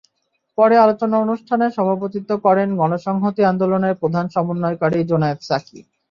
পরে আলোচনা অনুষ্ঠানে সভাপতিত্ব করেন গণসংহতি আন্দোলনের প্রধান সমন্বয়কারী জোনায়েদ সাকী।